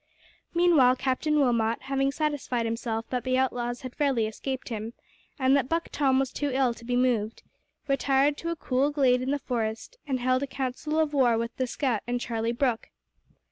Meanwhile Captain Wilmot, having satisfied himself that the outlaws had fairly escaped him, and that Buck Tom was too ill to be moved, retired to a cool glade in the forest and held a council of war with the scout and Charlie Brooke.